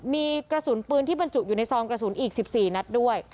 มีกระสุนปืนที่บรรจุอยู่ในซองกระสุนอีก๑๔นัดด้วย